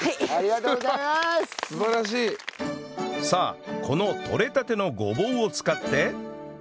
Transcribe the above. さあこのとれたてのごぼうを使って